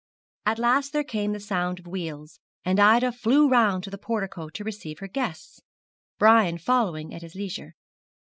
At last there came the sound of wheels, and Ida flew round to the portico to receive her guests, Brian following at his leisure.